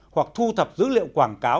hoặc thu thập dữ liệu quảng cáo